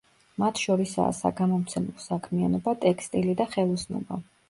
მათ შორისაა საგამომცემლო საქმიანობა, ტექსტილი და ხელოსნობა.